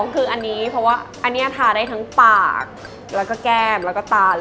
๒คือจากอันนี้เพราะว่าเทาะได้ทั้งปากและแก้มและตา